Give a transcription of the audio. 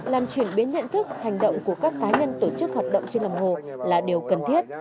làm chuyển biến nhận thức hành động của các cá nhân tổ chức hoạt động trên lòng hồ là điều cần thiết